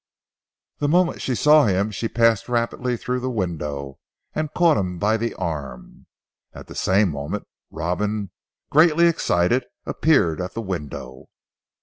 The moment she saw him she passed rapidly through the window and caught him by the arm. At the same moment Robin, greatly excited, appeared at the window.